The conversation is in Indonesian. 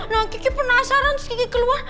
nah kiki penasaran kiki keluar